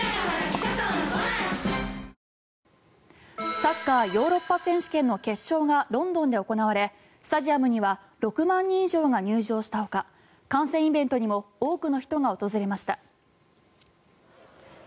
サッカーヨーロッパ選手権の決勝がロンドンで行われスタジアムには６万人以上が入場したほか観戦イベントにも多くの人が訪れました。